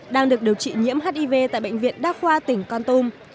đang được điều trị nhiễm hiv tại bệnh viện đa khoa tỉnh con tum